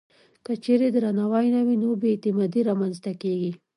که چېرې درناوی نه وي، نو بې اعتمادي رامنځته کېږي.